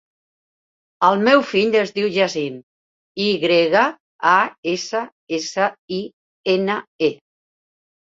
El meu fill es diu Yassine: i grega, a, essa, essa, i, ena, e.